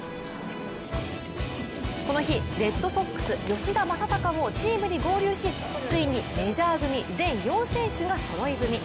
この日、レッドソックス吉田正尚もチームに合流しついにメジャー組全４選手がそろい踏み。